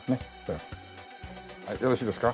よろしいですか？